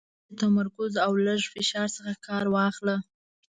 د ډېر تمرکز او لږ فشار څخه کار واخله .